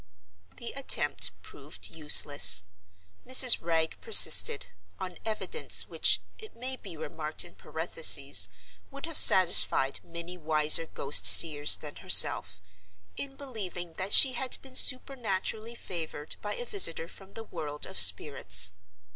The attempt proved useless. Mrs. Wragge persisted—on evidence which, it may be remarked in parenthesis, would have satisfied many wiser ghost seers than herself—in believing that she had been supernaturally favored by a visitor from the world of spirits.